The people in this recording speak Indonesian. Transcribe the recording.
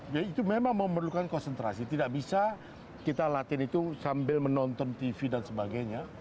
ya itu memang memerlukan konsentrasi tidak bisa kita latih itu sambil menonton tv dan sebagainya